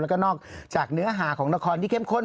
แล้วก็นอกจากเนื้อหาของละครที่เข้มข้น